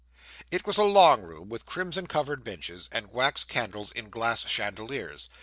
It was a long room, with crimson covered benches, and wax candles in glass chandeliers.